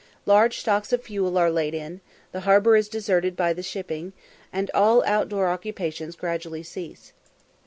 Large stocks of fuel are laid in, the harbour is deserted by the shipping, and all out door occupations gradually cease.